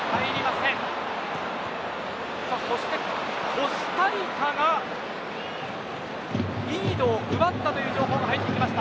コスタリカがリードを奪った情報も入ってきました。